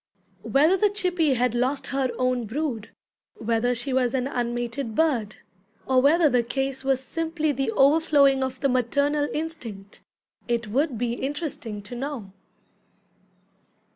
Whether the chippy had lost her own brood, whether she was an unmated bird, or whether the case was simply the overflowing of the maternal instinct, it would be interesting to know.